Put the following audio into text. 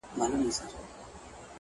اوس مي نو ومرگ ته انتظار اوسئ-